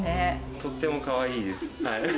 とってもかわいいです。